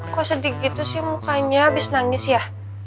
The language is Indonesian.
kok sedih gitu sih mukanya habis nangis ya